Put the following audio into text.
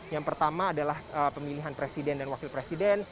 yang pertama adalah pemilihan presiden dan wakil presiden